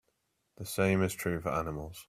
The same is true for animals.